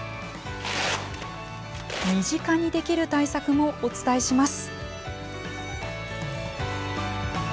身近にできる対策もお伝えします。